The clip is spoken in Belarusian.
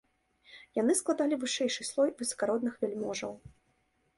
Яны складалі вышэйшы слой высакародных вяльможаў.